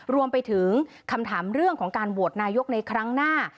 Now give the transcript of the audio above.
รวมไปถึงคำถามเรื่องของการโหวตนายกในครั้งหน้า